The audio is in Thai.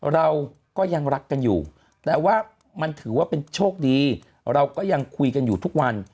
เราก็ยังรักกันอยู่แต่ว่ามันถือว่าเป็นโชคดีเราก็ยังคุยกันอยู่ทุกวัน